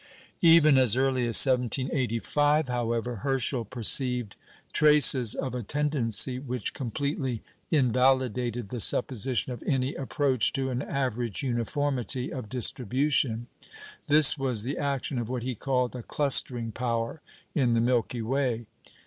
Even as early as 1785, however, Herschel perceived traces of a tendency which completely invalidated the supposition of any approach to an average uniformity of distribution. This was the action of what he called a "clustering power" in the Milky Way.